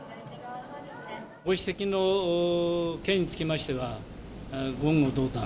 ご指摘の件につきましては、言語道断。